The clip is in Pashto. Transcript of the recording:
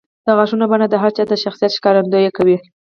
د غاښونو بڼه د هر چا د شخصیت ښکارندویي کوي.